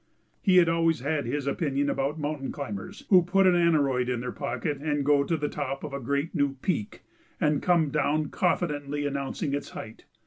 He has always had his opinion about mountain climbers who put an aneroid in their pocket and go to the top of a great, new peak and come down confidently announcing its height.